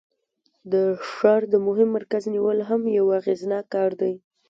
د ښار د مهم مرکز نیول هم یو اغیزناک کار دی.